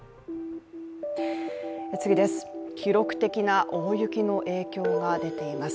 記録的な大雪の影響が出ています。